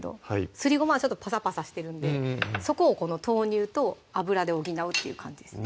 すりごまはちょっとパサパサしてるんでそこをこの豆乳と油で補うっていう感じですね